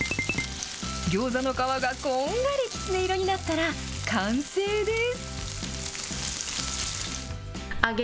ギョーザの皮がこんがりきつね色になったら、完成です。